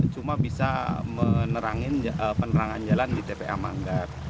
rumah bisa menerangkan penerangan jalan di tpa manggar